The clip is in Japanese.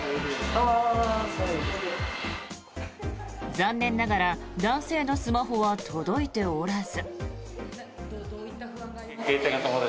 残念ながら男性のスマホは届いておらず。